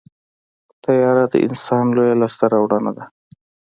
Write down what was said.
طیاره د انسانانو لویه لاسته راوړنه ده.